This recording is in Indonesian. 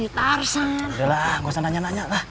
udah lah gak usah nanya nanya lah